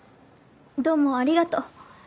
どうもありがとう。